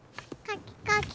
かきかき。